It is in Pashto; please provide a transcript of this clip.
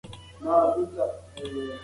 موږ کولای شو د ټولنې جوړښت تحلیل کړو.